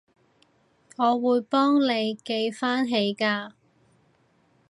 我會幫你記返起㗎